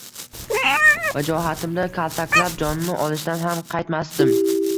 Vajohatimda kaltaklab jonini olishdan ham qaytmasdim